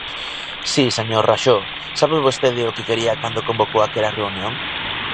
Si, señor Raxó, ¿sabe vostede o que quería cando convocou aquela reunión?